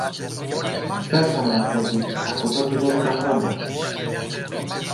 Πέθανε, αφέντη, από δω και δώδεκα χρόνια.